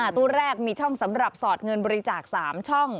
ตู้แรกมีช่องสำหรับสอดเงินบริจาค๓ช่อง